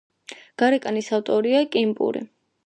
გარეკანის ავტორია კიმ პური.